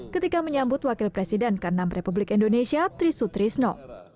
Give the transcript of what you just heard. ketika menyambut wakil presiden k enam republik indonesia trisut trisno